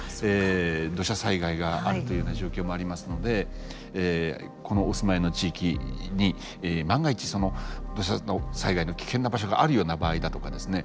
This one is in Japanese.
土砂災害があるというような状況もありますのでお住まいの地域に万が一その土砂災害の危険な場所があるような場合だとかですね